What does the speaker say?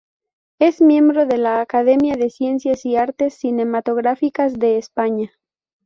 Es miembro de la Academia de Ciencias y Artes Cinematográficas de España.